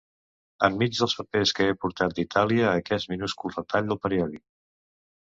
Enmig dels papers que he portat d'Itàlia, aquest minúscul retall del periòdic.